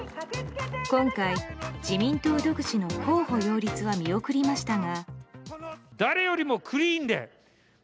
今回、自民党独自の候補擁立は見送りましたが。